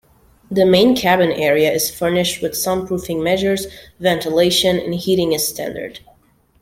The main cabin area is furnished with soundproofing measures, ventilation, and heating as standard.